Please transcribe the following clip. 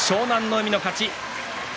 海の勝ち。